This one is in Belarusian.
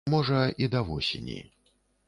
Можа, і да восені.